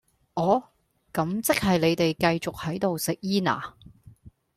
哦,咁即係你哋繼續喺度食煙呀?